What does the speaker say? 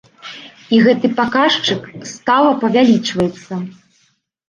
І гэты паказчык стала павялічваецца.